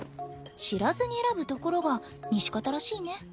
知らずに選ぶところが西片らしいね。